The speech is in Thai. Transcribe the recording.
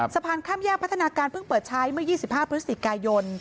สะพานข้ามแยกพัฒนาการเพิ่งเปิดใช้เมื่อ๒๕พฤศจิกายน